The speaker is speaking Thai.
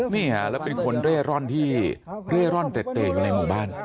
นี่ฮะแล้วเป็นคนเร่ร่อนที่เร่ร่อนเต็ดอยู่ในหมู่บ้าน